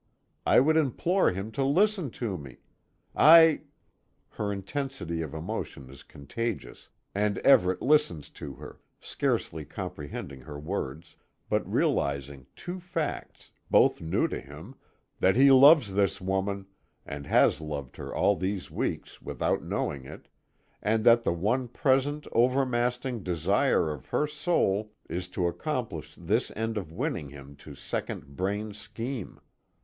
I would implore him to listen to me. I " Her intensity of emotion is contagious, and Everet listens to her, scarcely comprehending her words, but realizing two facts, both new to him, that he loves this woman, and has loved her all these weeks without knowing it, and that the one present, overmastering desire of her soul is to accomplish this end of winning him to second Braine's scheme.